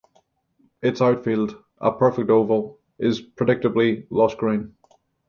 Its outfield, a perfect oval, is predictably lush green.